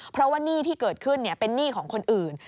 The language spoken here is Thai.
เพราะว่าหนี้ที่เกิดขึ้นเป็นหนี้ของคนอื่น